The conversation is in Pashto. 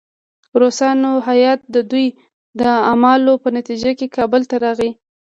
د روسانو هیات د دوی د اعمالو په نتیجه کې کابل ته راغی.